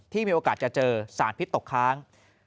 มีโอกาสจะเจอสารพิษตกค้าง